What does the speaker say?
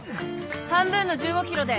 半分の１５ｋｇで。